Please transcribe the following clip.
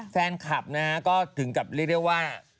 แฟนคลับนะฮะก็ถึงกับเรียกได้ว่า